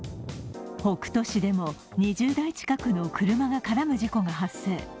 北斗市でも２０台近くの車が絡む事故が発生。